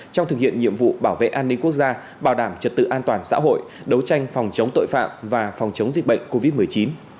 trong thực hiện nhiệm vụ bảo vệ an ninh quốc gia bảo đảm trật tự an toàn xã hội đấu tranh phòng chống tội phạm và phòng chống dịch bệnh covid một mươi chín